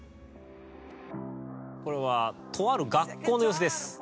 これはとある学校の様子です。